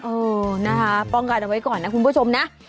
เออนะคะป้องกันเอาไว้ก่อนนะคุณผู้ชมนะ